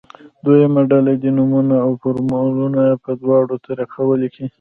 دویمه ډله دې نومونه او فورمولونه په دواړو طریقه ولیکي.